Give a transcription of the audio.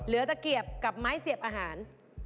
ตะเกียบกับไม้เสียบอาหาร